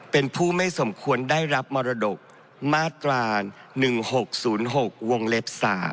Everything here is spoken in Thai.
เป็นผู้ไม่สมควรได้รับมรดกมาตรา๑๖๐๖วงเล็บ๓